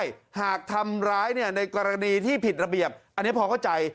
ใช่หากทำร้ายเนี่ยในกรณีที่ผิดระเบียบอันนี้พอเข้าใจ